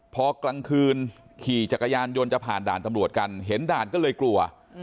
พอกลางคืนขี่จักรยานยนต์จะผ่านด่านตำรวจกันเห็นด่านก็เลยกลัว